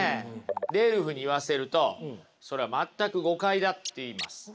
レルフに言わせるとそれは全く誤解だっていいます。